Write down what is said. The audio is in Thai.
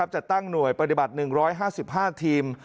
จะตั้งหน่วยปฏิบัติ๑๕๕ทีม